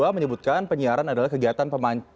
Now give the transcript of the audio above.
menyebutkan penyiaran adalah kegiatan